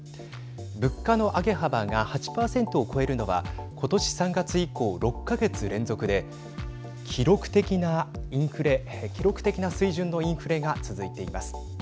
物価の上げ幅が８％を超えるのは今年３月以降、６か月連続で記録的なインフレ記録的な水準のインフレが続いています。